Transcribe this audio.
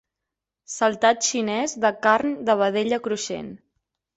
Saltat xinès de carn de vedella cruixent.